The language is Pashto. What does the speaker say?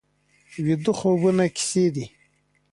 ویده خوبونه کیسې دي